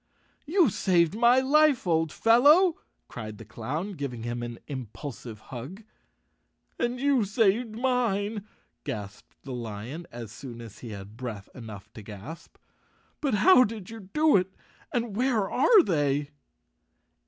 "You saved my life, old fellow," cried the clown, giving him an impulsive hug. "And you saved mine," gasped the lion, as soon as he had breath enough to gasp. " But how did you do it and where are they?"